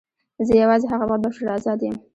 زه یوازې هغه وخت بشپړ آزاد یم.